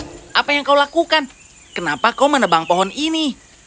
apa yang kau lakukan kenapa kau menebang pohon ini